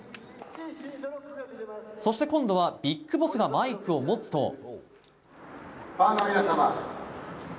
そして今度はビッグボスがマイクを持つと。